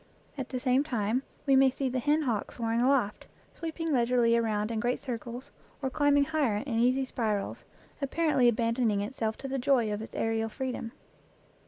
At the same time we may see the hen hawk soaring aloft, sweeping leisurely around in great circles, or climbing higher in easy spirals, ap parently abandoning itself to the joy of its aerial freedom.